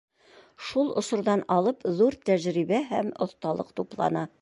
Шул осорҙан алып ҙур тәжрибә һәм оҫталыҡ туплана.